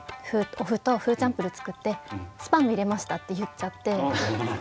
お麩とフーチャンプルー作ってスパム入れました」って言っちゃって。